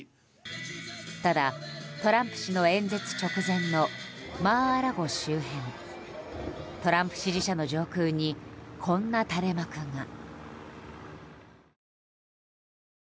ただ、トランプ氏の演説直前のマー・ア・ラゴ周辺トランプ支持者の上空にこんな垂れ幕が。